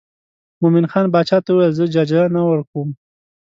مومن خان باچا ته وویل زه ججه نه ورکوم.